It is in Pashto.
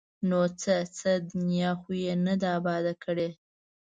ـ نو څه؟ څه دنیا خو یې نه ده اباده کړې!